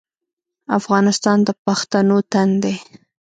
افغانستان د پښتنو تن دی